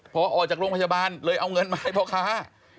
พอออกจากโรงพยาบาลเลยเอาเงินมาให้พ่อค้า